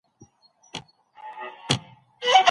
يوولس تر لسو ډېر دي.